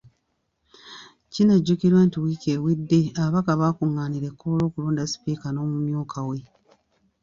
Kinajjukirwa nti wiiki ewedde ababaka bakungaanira e Kololo okulonda sipiika n’omumyuka we .